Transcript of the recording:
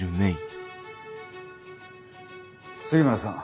杉村さん。